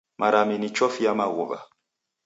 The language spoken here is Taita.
Marami ni chofi ya maghuw'a.